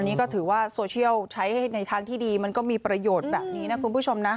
นี่ก็ถือว่าโซเชียลใช้ในทางที่ดีมันก็มีประโยชน์แบบนี้นะคุณผู้ชมนะ